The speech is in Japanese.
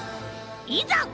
いざ！